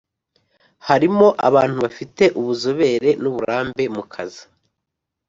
harimo abantu bafite ubuzobere n uburambe mu kazi